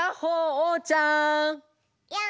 おうちゃん！